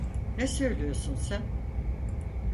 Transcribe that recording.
Ne söylüyorsun sen?